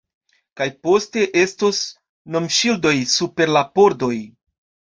Kaj poste estos nomŝildoj super la pordoj